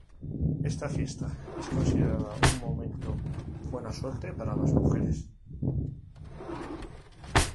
Esta fiesta es considerada un momento buena suerte para las mujeres.